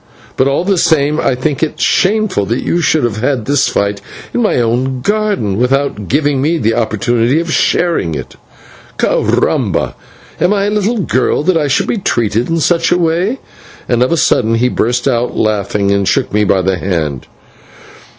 But, all the same, I think it shameless that you should have had this fight in my own garden, without giving me the opportunity of sharing it. /Caramba!/ am I a little girl that I should be treated in such a way?" And of a sudden he burst out laughing and shook me by the hand.